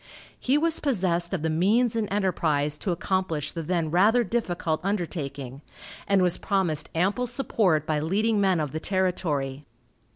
He was possessed of the means and enterprise to accomplish the then rather difficult undertaking, and was promised ample support by leading men of the territory.